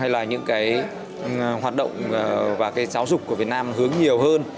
hay là những hoạt động và giáo dục của việt nam hướng nhiều hơn